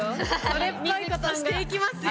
それっぽいことしていきますよ。